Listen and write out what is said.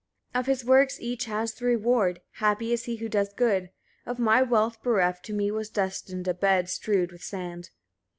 49. Of his works each has the reward: happy is he who does good. Of my wealth bereft, to me was destined a bed strewed with sand.